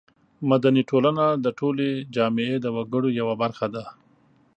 مدني ټولنه د ټولې جامعې د وګړو یوه برخه ده.